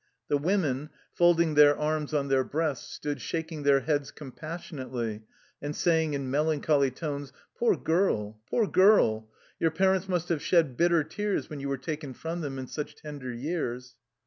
The women, folding their arms on their breasts, stood shak ing their heads compassionately and saying in melancholy tones :" Poor girl, poor girl ! Your parents must have shed bitter tears when you were taken from them in such tender years."